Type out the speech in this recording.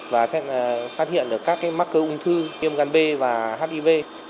và sẽ phát hiện các mắc cơ ung thư tiêm gắn b và hiv